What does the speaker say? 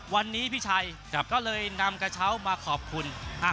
วันนี้พี่ชัยก็เลยนำกระเช้ามาขอบคุณ